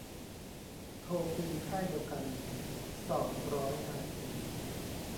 โทรฟรีค่ายเดียวกัน สองร้อยนาที